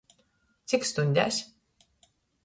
Cik stuņdēs?